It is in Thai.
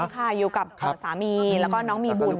ใช่ค่ะอยู่กับสามีแล้วก็น้องมีบุญ